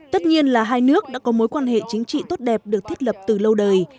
tất nhiên là hai nước đã có mối quan hệ chính trị tốt đẹp được thiết lập từ lâu đời